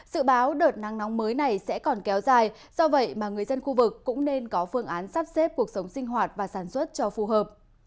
sự báo đợt nắng nóng mới này sẽ còn kéo dài do vậy mà người dân khu vực cũng nên có phương án sắp xếp cuộc sống sinh hoạt và sản xuất cho phù hợp